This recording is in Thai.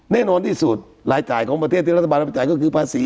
แน่นอนที่สุดรายจ่ายของประเทศที่รัฐบาลเราไปจ่ายก็คือภาษี